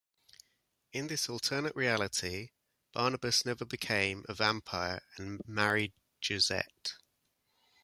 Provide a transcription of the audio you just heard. In this alternate reality, Barnabas never became a vampire and married Josette.